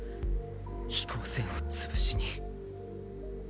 飛行船を潰しに。